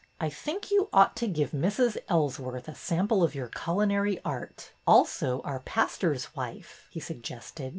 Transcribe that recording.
I think you ought to give Mrs. Ellsworth a sample of your culinary art, also our pastor's wife," he suggested.